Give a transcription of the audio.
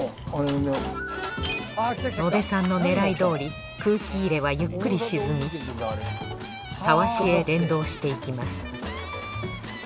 野出さんの狙いどおり空気入れはゆっくり沈みタワシへ連動していきます。